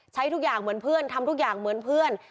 ทุกอย่างเหมือนเพื่อนทำทุกอย่างเหมือนเพื่อน